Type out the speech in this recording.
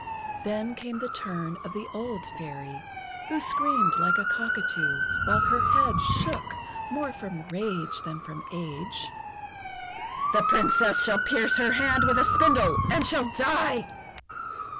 Then came the turn of the old Fairy, who screamed like a cockatoo, while her head shook more from rage than from age: "The Princess shall pierce her hand with a spindle, and shall die!"